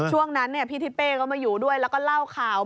ช่วงนั้นพี่ทิศเป้ก็มาอยู่ด้วยแล้วก็เล่าข่าว